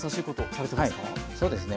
はいそうですね。